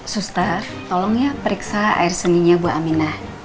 suster tolong ya periksa air seninya buah aminah